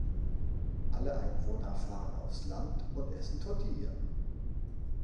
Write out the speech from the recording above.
Alle Einwohner fahren aufs Land und essen Tortilla.